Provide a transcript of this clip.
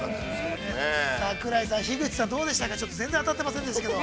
桜井さん、樋口さん、どうでしたか、全然当たってませんでしたけど。